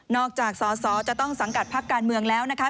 จากสอสอจะต้องสังกัดพักการเมืองแล้วนะคะ